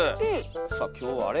さあ今日あれ？